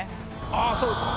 ああそうか。